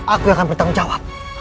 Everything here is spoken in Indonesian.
aku yang akan bertanggung jawab